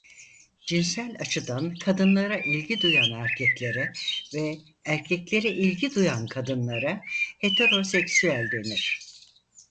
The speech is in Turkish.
Cinsel açıdan kadınlara ilgi duyan erkeklere ve erkeklere ilgi duyan kadınlara "heteroseksüel" denir.